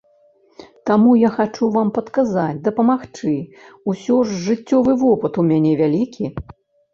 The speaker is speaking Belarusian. Таму я хачу вам падказаць, дапамагчы, усё ж жыццёвы вопыт у мяне вялікі.